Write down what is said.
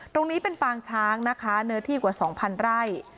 ตรงนี้เป็นปางช้างนะคะเนื้อที่กว่า๒๐๐ไร่